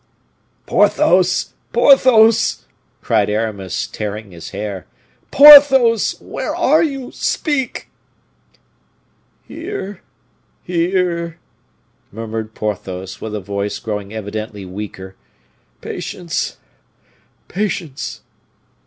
"Porthos! Porthos!" cried Aramis, tearing his hair. "Porthos! where are you? Speak!" "Here, here," murmured Porthos, with a voice growing evidently weaker, "patience! patience!"